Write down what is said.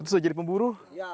sudah jadi pemburu